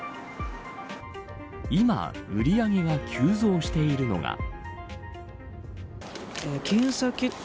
今売り上げが急増しているのが。